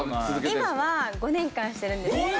今は５年間してるんですけど。